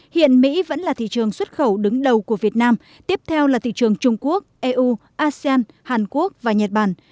hiện mỹ vẫn là thị trường xuất khẩu đứng đầu của việt nam tiếp theo là thị trường trung quốc eu asean hàn quốc và nhật bản